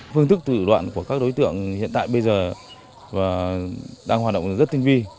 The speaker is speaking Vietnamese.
phương thức tự đoạn của các đối tượng hiện tại bây giờ đang hoạt động rất tinh vi